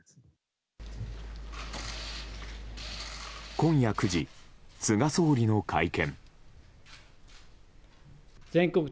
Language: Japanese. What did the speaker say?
今夜９時、菅総理の会見。